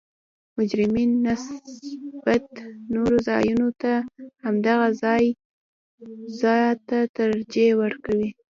مجرمین نسبت نورو ځایونو ته همدغه ځا ته ترجیح ورکوي